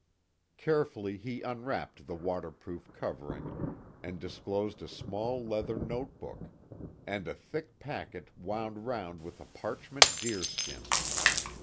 Carefully he unwrapped the waterproof covering and disclosed a small leather note book, and a thick packet wound round with parchment deer skin.